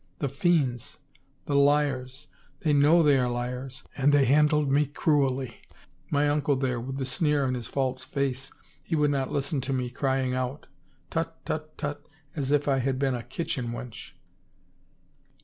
The fiends, the liars ! They know they are liars ! And they handled me cruelly — my uncle there, with the sneer on his false face, he would not listen to me, crying out, " Tut, tut, tut," as if I had been a kitchen wench!